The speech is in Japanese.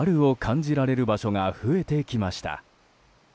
春を感じられる場所が増えてきました。